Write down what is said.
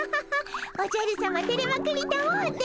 おじゃるさまてれまくりたもうて。